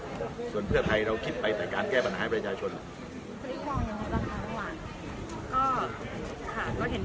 ครับส่วนเพื่อไทยเราคิดไปแต่การแก้ปัญหาให้ประชาชน